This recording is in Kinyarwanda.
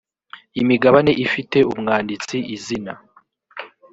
imigabane ifite umwanditsi izina